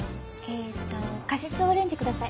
えとカシスオレンジ下さい。